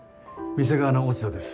店側の落ち度です。